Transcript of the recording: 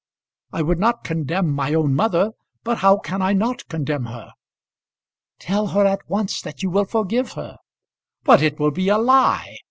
I would not condemn my own mother; but how can I not condemn her?" "Tell her at once that you will forgive her." "But it will be a lie.